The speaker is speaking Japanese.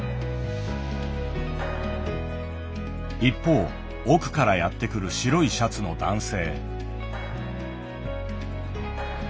一方奥からやって来る白いシャツの男性。